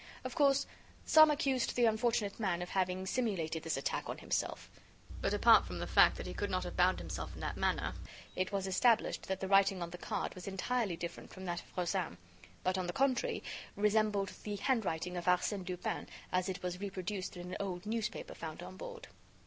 Of course, some accused the unfortunate man of having simulated this attack on himself. But, apart from the fact that he could not have bound himself in that manner, it was established that the writing on the card was entirely different from that of Rozaine, but, on the contrary, resembled the handwriting of Arsène Lupin as it was reproduced in an old newspaper found on board.